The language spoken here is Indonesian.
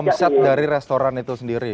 omset dari restoran itu sendiri